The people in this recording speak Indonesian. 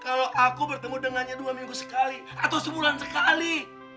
kalau aku bertemu dengannya dua minggu sekali atau sebulan sekali